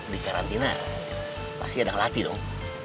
di karantina pasti ada ngelatih dong